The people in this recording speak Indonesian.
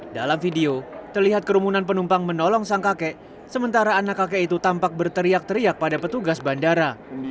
dalam video terlihat kerumunan penumpang menolong sang kakek sementara anak kakek itu tampak berteriak teriak pada petugas bandara